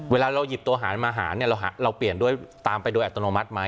เวลาเราหยิบตัวหารมาหารเนี่ยเราเปลี่ยนด้วยตามไปโดยอัตโนมัติไหม